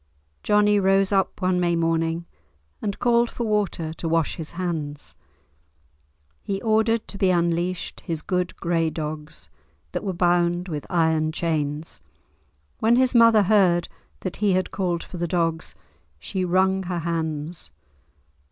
Johnie rose up one May morning, and called for water to wash his hands. He ordered to be unleashed his good grey dogs, that were bound with iron chains. When his mother heard that he had called for the dogs, she wrung her hands.